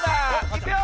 いくよ！